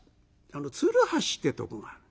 鶴橋ってとこがある。